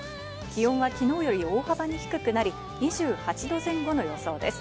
気温はきのうより大幅に低くなり２８度前後の予想です。